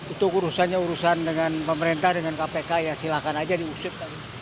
itu urusannya urusan dengan pemerintah dengan kpk ya silahkan aja diusut